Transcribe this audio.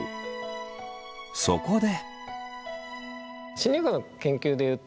そこで。